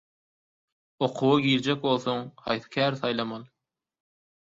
«Okuwa girjek bolsaň, haýsy käri saýlamaly?»